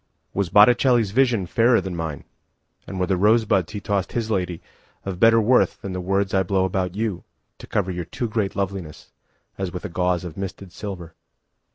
Was Botticelli's visionFairer than mine; And were the pointed rosebudsHe tossed his ladyOf better worthThan the words I blow about youTo cover your too great lovelinessAs with a gauzeOf misted silver?